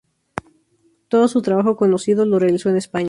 Todo su trabajo conocido lo realizó en España.